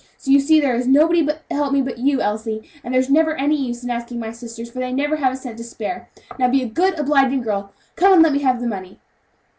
So you see there is nobody to help me but you, Elsie, for there's never any use in asking my sisters; they never have a cent to spare! Now be a good, obliging girl; come and let me have the money."